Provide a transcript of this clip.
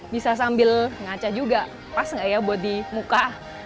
bisa sambil ngaca juga pas nggak ya buat di muka